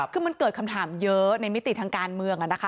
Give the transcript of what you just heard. คือมันเกิดคำถามเยอะในมิติทางการเมือง